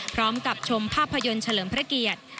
พร้อมกับชมภาพยนตร์เฉลิมพระเกียรติ